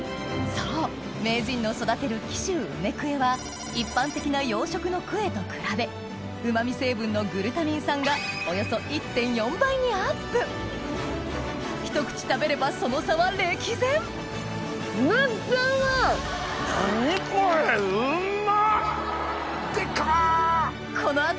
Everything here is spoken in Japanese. そう名人の育てる紀州梅くえは一般的な養殖のクエと比べうま味成分のグルタミン酸がおよそ１．４倍にアップひと口食べればその差は歴然何これ！